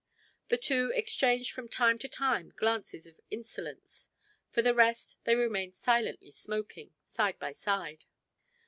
The two exchanged from time to time glances of insolence; for the rest, they remained silently smoking, side by side.